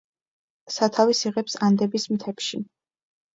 სათავეს იღებს ანდების მთებში.